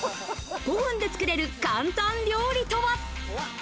５分でつくれる簡単料理とは？